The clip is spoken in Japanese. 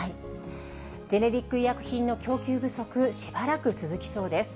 ジェネリック医薬品の供給不足、しばらく続きそうです。